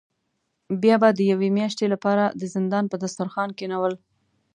بیا به د یوې میاشتې له پاره د زندان په دسترخوان کینول.